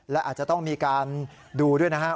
และอาจจะต้องมีการดูด้วยนะครับ